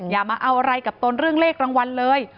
อย่ามาเอาอะไรกับตนเรื่องเลขรางวัลเลย